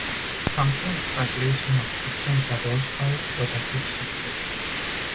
Hampton's translation of Ibsen's "A Doll's House" was a huge success.